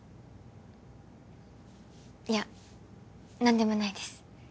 いや何でもないです